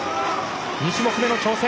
２種目目の挑戦。